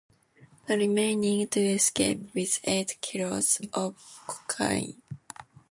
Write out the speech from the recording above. The remaining two escape with eight kilos of cocaine.